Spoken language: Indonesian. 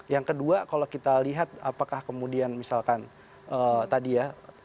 yang kedua kalau kita lihat apakah kemudian misalkan tadi ya